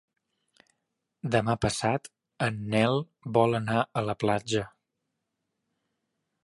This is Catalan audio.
Demà passat en Nel vol anar a la platja.